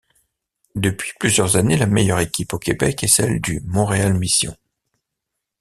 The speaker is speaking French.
Depuis plusieurs années, la meilleure équipe au Québec est celle du Montréal Mission.